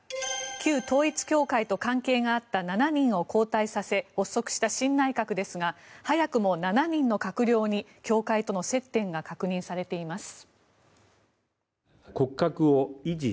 旧統一教会と関係があった７人を交代させ発足した新内閣ですが早くも７人の閣僚に教会との接点が確認されています。